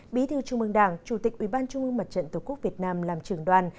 bí thư trung ương đảng chủ tịch ubnd tổ quốc việt nam làm trường đoàn